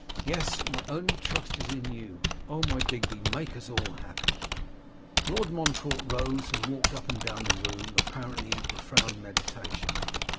Yes! my only trust is in you. Oh! my Digby, make us all happy.' Lord Montfort rose and walked up and down the room, apparently in profound meditation.